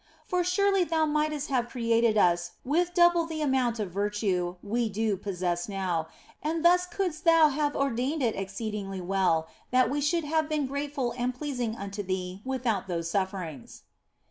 For surely Thou mightest have created us with double the amount of virtue we do possess now, and thus couldst Thou have ordained it exceeding well that we should have been grateful and pleasing unto Thee without those sufferings."